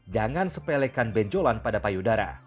jangan sepelekan benjolan pada payudara